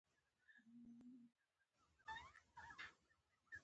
خارجي قواوو په اړه پوه شي.